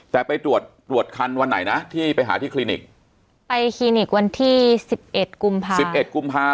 แต่ไปตรวจตรวจคันวันไหนนะที่ไปหาที่คลินิกไปคลินิกวันที่๑๑กุมภา๑๑กุมภา